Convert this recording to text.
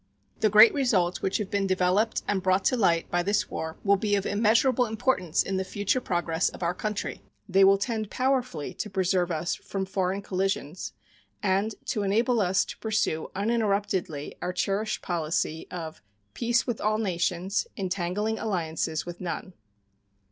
The great results which have been developed and brought to light by this war will be of immeasurable importance in the future progress of our country. They will tend powerfully to preserve us from foreign collisions, and to enable us to pursue uninterruptedly our cherished policy of "peace with all nations, entangling alliances with none."